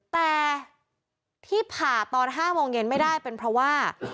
แต่ที่ผ่าตอน๕โมงเย็นไม่ได้เป็นเพราะว่า